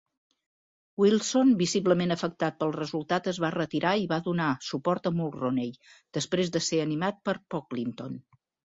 Wilson, visiblement afectat pel resultat, es va retirar i va donar suport a Mulroney després de ser animat per Pocklington.